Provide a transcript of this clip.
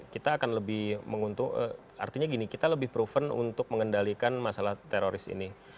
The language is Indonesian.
kita akan lebih menguntung artinya gini kita lebih proven untuk mengendalikan masalah teroris ini